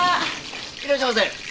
いらっしゃいませ。